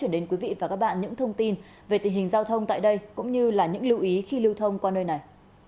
chuyển đến quý vị và các bạn những thông tin về tình hình giao thông tại đây cũng như là những lưu ý khi lưu thông qua nơi này